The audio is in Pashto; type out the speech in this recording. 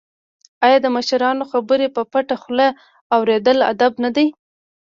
آیا د مشرانو خبرې په پټه خوله اوریدل ادب نه دی؟